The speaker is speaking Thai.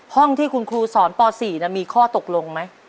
ห้องที่คุณครูสอนป๔มีข้อตกลงไหม